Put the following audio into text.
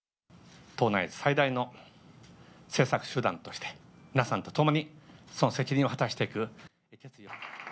党内最大の政策集団として、皆さんと共にその責任を果たしていく。